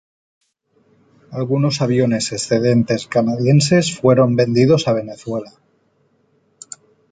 Algunos aviones excedentes canadienses fueron vendidos a Venezuela.